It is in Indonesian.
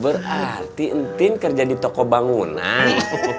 berarti entin kerja di toko bangunan